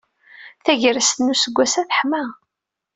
Tagrest n useggas-a teḥma.